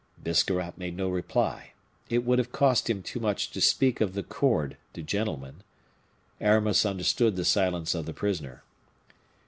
Biscarrat made no reply. It would have cost him too much to speak of the cord to gentlemen. Aramis understood the silence of the prisoner.